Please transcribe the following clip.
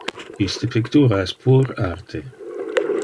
Iste pictura es pur arte.